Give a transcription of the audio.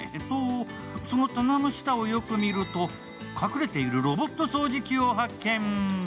と、その棚の下をよく見ると、隠れているロボット掃除機を発見。